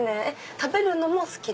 食べるのも好きで？